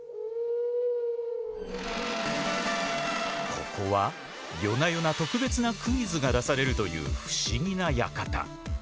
ここは夜な夜な特別なクイズが出されるという不思議な館。